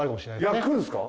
焼くんですか？